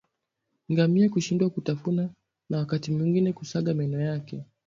Ngamia hushindwa kutafuna na wakati mwingine husaga meno yake